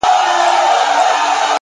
هر منزل د جرئت غوښتنه کوي!.